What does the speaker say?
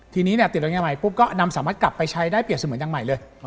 ทีนี้ติดออกยางใหม่ก็นำสามารถกลับไปใช้ได้เปลี่ยนเสมือนยางใหม่เลย